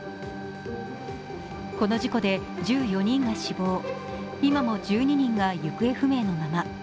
この事故で１４人が死亡、今も１２人が行方不明のまま。